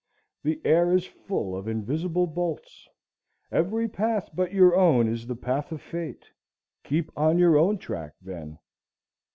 The air is full of invisible bolts. Every path but your own is the path of fate. Keep on your own track, then.